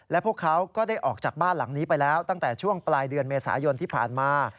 และพวกเขาก็ได้ออกจากบ้านหลังนี้ไปแล้วตั้งแต่ช่วงปลายเดือนเมษายนที่ผ่านมา